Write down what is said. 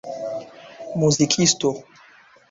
muzikisto